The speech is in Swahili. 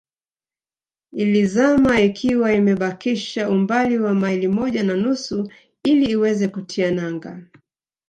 Ilizama ikiwa imebakisha umbali wa maili moja na nusu ili iweze kutia nanga